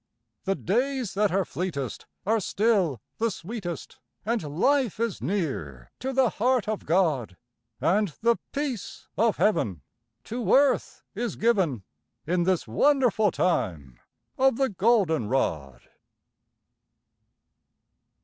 The days that are fleetest are still the sweetest, And life is near to the heart of God, And the peace of heaven to earth is given In this wonderful time of the golden rod.